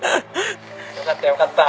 よかったよかった。